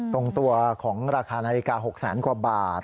ตรงตัวของราคานาฬิกา๖๐๐บาท